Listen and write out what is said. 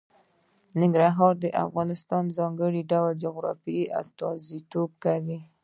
ننګرهار د افغانستان د ځانګړي ډول جغرافیه استازیتوب کوي.